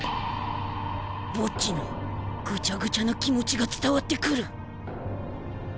ボッジのぐちゃぐちゃな気持ちが伝わってくる